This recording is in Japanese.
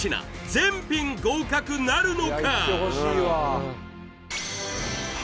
全品合格なるのか？は